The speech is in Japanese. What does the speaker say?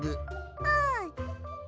うん。